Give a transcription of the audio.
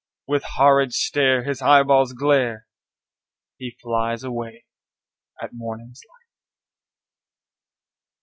With horrid stare his eyeballs glare: He flies away at morning's light.